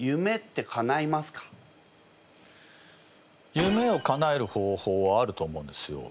夢をかなえる方法はあると思うんですよ。